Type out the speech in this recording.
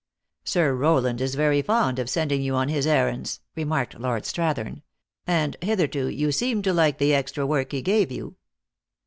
" Sir Rowland is very fond of sending you on his errands," remarked Lord Strathern. " And, hitherto you seemed to like the extra work he gave you."